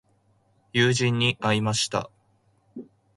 友人に会いました。